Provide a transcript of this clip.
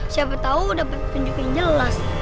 siapa tahu dapat tunjuk yang jelas